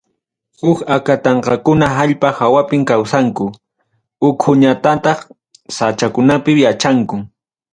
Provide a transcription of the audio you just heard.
Huk akatanqakunaqa allpa hawapim kawsanku, hukkunañataq sachakunapim yachanku.